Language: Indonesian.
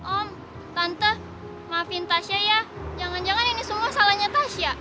om tante maafin tasya ya jangan jangan ini semua salahnya tasya